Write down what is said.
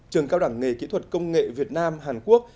trường cao đẳng nghề kỹ thuật công nghệ việt nam hàn quốc